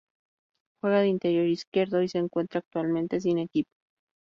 Juega de interior izquierdo y se encuentra actualmente sin equipo.